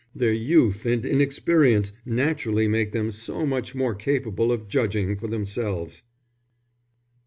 Their youth and inexperience naturally make them so much more capable of judging for themselves."